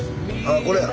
あこれや。